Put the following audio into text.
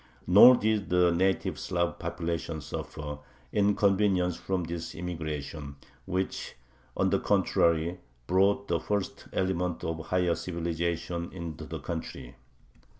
Nor did the native Slav population suffer inconvenience from this immigration, which, on the contrary, brought the first elements of a higher civilization into the country.